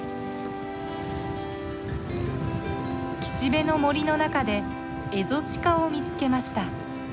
岸辺の森の中でエゾシカを見つけました。